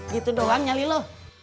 gitu doang nyali lu